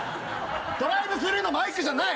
ドライブスルーのマイクじゃない！